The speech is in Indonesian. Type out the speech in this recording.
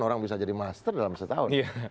orang bisa jadi master dalam setahun